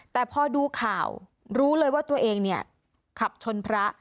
แต่พอดูข่าวรู้เลยว่าตัวเองเนี่ยขับชนพระ